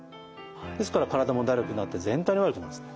ですから体もだるくなって全体に悪くなるんですね。